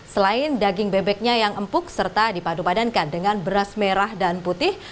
selain daging bebeknya yang empuk serta dipadu badankan dengan beras merah dan putih